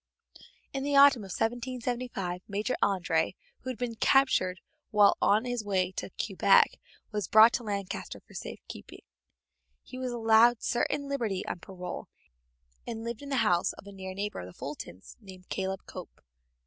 In the autumn of 1775 Major André, who had been captured while on his way to Quebec, was brought to Lancaster for safe keeping. He was allowed certain liberty on parole, and lived in the house of a near neighbor of the Fultons, named Caleb Cope.